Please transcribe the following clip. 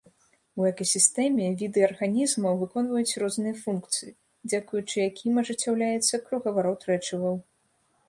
У экасістэме віды арганізмаў выконваюць розныя функцыі, дзякуючы якім ажыццяўляецца кругаварот рэчываў.